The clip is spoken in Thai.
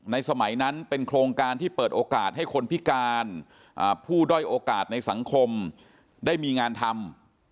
สมัยนั้นเป็นโครงการที่เปิดโอกาสให้คนพิการผู้ด้อยโอกาสในสังคมได้มีงานทำ